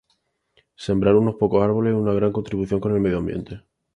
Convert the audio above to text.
Sembrar unos pocos arboles es una gran contribucion con el ambiente